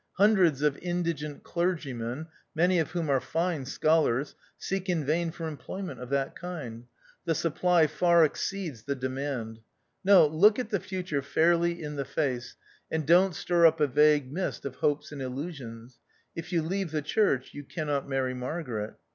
Hundreds of indigent clergymen, many of whom are fine scholars, seek in vain for employment of that kind. The supply far exceeds the demand. No ; look at the future fairly in the face, and don't stir up a vague mist of hopes and illusions. If you leave the church, you cannot marry Mar garet."